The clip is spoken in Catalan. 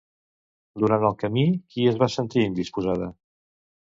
Durant el camí, qui es va sentir indisposada?